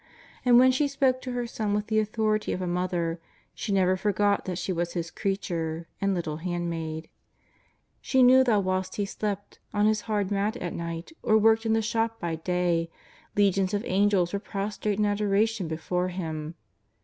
And, when she spoke to her Son with the authority of a mother, she never forgot that she was His creature and little handmaid. She knew that whilst He slept on 853411 A # 100 JESUS OF NAZARETH. His hard mat at night, or worked in the shop by day, legions of Angels were prostrate in adoration before Him.